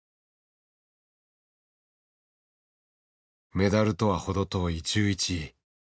メダルとは程遠い１１位。